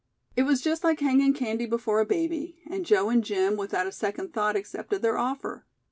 It was just like hanging candy before a baby, and Joe and Jim without a second thought accepted their offer.